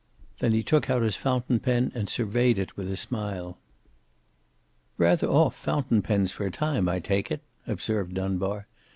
Then he took out his fountain pen and surveyed it with a smile. "Rather off fountain pens for a time, I take it!" observed Dunbar.